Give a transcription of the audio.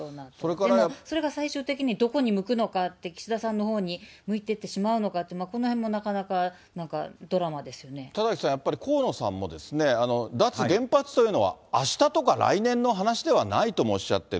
でもそれが最終的に、どこに向くのかって、岸田さんのほうに向いてってしまうのかって、このへんもなかなか、田崎さん、やっぱり河野さんも、脱原発というのはあしたとか来年の話ではないともおっしゃっている。